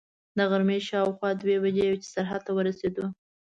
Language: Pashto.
د غرمې شاوخوا دوې بجې وې چې سرحد ته ورسېدو.